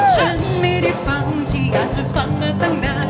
ฉันไม่ได้ฟังที่อยากจะฟังมาตั้งนาน